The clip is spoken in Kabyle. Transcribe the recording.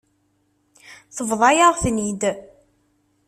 Tebḍa-yaɣ-ten-id.